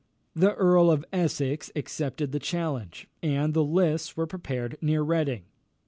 The Earl of Essex accepted the challenge, and the lists were prepared near Reading.